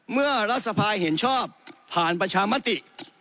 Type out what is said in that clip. รัฐสภาเห็นชอบผ่านประชามติ